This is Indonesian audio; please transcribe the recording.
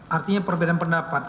artinya perbedaan pendapat